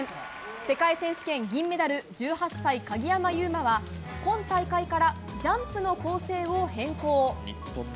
世界選手権銀メダル１８歳、鍵山優真は今大会からジャンプの構成を変更。